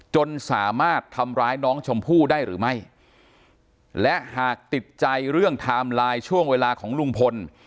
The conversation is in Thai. จนสามารถทำร้ายน้องชมพู่ได้หรือไม่และหากติดใจเรื่องไทม์ไลน์ช่วงเวลาของลุงพล